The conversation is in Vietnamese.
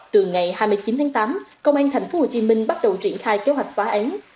từ ngày hai mươi chín tháng tám công an tp hcm bắt đầu triển khai kế hoạch phá án